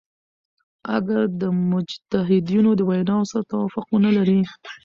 اګر که د مجتهدینو د ویناوو سره توافق ونه لری.